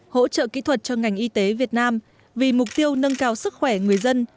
hỗ trợ kỹ thuật cho ngành y tế việt nam vì mục tiêu nâng cao sức khỏe người dân